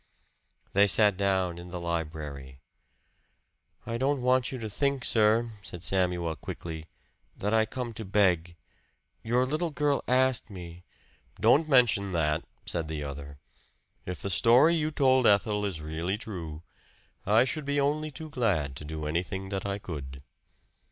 They sat down in the library. "I don't want you to think, sir," said Samuel quickly, "that I come to beg. Your little girl asked me " "Don't mention that," said the other. "If the story you told Ethel is really true, I should be only too glad to do anything that I could."